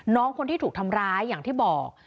น้องคนที่ถูกทำร้ายอย่างที่บอก